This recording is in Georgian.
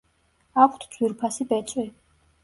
აქვთ ძვირფასი ბეწვი.